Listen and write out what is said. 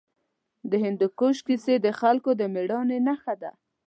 د هندوکش کیسې د خلکو د مېړانې نښه ده.